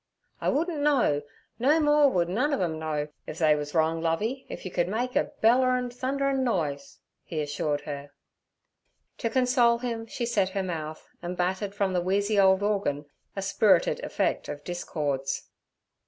'I wouldn't know, no more would none ov 'em know, if they wuz wrong, Lovey, if yer could make a bellerin', thundrin' n'ise' he assured her. To console him she set her mouth, and battered from the wheezy old organ a spirited effect of discords.